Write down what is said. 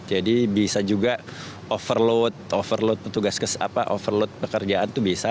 jadi bisa juga overload overload petugas overload pekerjaan itu bisa